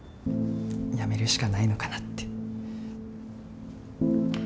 やめるしかないのかなって。